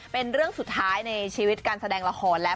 เป็นเรื่องสุดท้ายในชีวิตการแสดงละครแล้ว